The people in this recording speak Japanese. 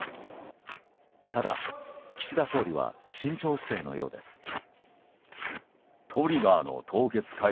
ただ、岸田総理は慎重姿勢のようです。